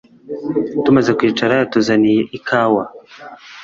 Tumaze kwicara yatuzaniye ikawa